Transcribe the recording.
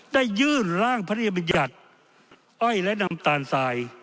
ได้ยื่นร่างพระนิยบัญญัติอ้อยและน้ำตาลสาย